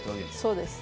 そうです